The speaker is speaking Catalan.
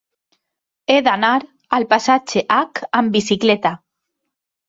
He d'anar al passatge Hac amb bicicleta.